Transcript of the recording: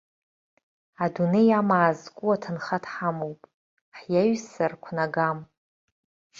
Адунеи амаа зку аҭынха дҳамоуп, ҳиаҩсыр қәнагам.